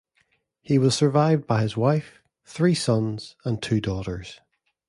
He was survived by his wife, three sons, and two daughters.